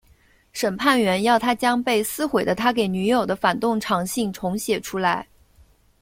审判员要他将被撕毁的他给女友的反动长信重写出来。